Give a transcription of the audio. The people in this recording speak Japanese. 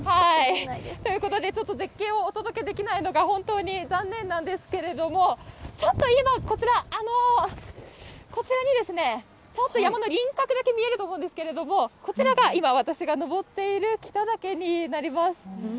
ということで、ちょっと絶景をお届けできないのが、本当に残念なんですけれども、ちょっと今、こちら、こちらに、ちょっと山のりんかくだけ見えると思うんですけれども、こちらが今、私が登っている北岳になります。